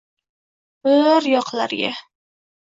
bi-i-ir yoqlarga